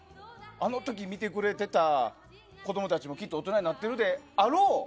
あのとき見てくれてた子どもたちもきっと大人になってるであろう。